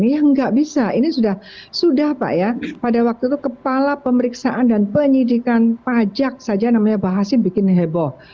ya nggak bisa ini sudah pak ya pada waktu itu kepala pemeriksaan dan penyidikan pajak saja namanya bahasim bikin heboh